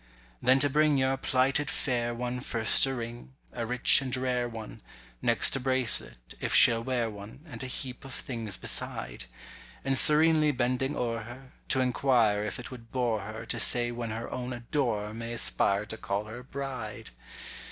Then to bring your plighted fair one first a ring—a rich and rare one— Next a bracelet, if she'll wear one, and a heap of things beside; And serenely bending o'er her, to inquire if it would bore her To say when her own adorer may aspire to call her bride!